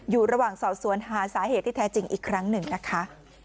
อยู่ระหว่างสอบสวนหาสาเหตุที่แท้จริงอีกครั้งหนึ่งนะคะ